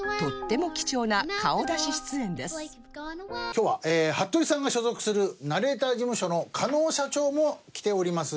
今日は服部さんが所属するナレーター事務所の狩野社長も来ております。